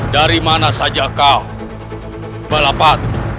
dari mana saja kah balapan